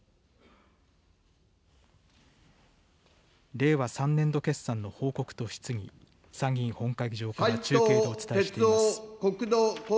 令和３年度決算の報告と質疑、参議院本会議場から中継でお伝えしています。